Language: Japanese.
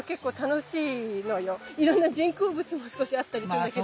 いろんな人工物も少しあったりするんだけど。